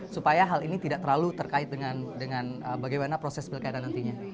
supaya hal ini tidak terlalu terkait dengan bagaimana proses pilkada nantinya